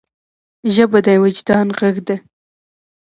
ژبه د وجدان ږغ ده.